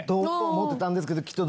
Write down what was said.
思ってたんですけどきっと。